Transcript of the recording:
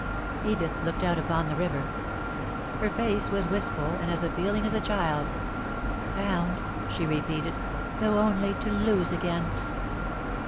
Edith looked out upon the river. Her face was wistful and as appealing as a child's. "Found," she repeated, "though only to lose again."